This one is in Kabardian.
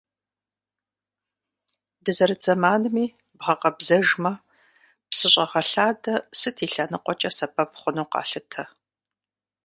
Дызэрыт зэманми бгъэкъэбзэжмэ, псыщӏэгъэлъадэ сыт и лъэныкъуэкӏэ сэбэп хъуну къалъытэ.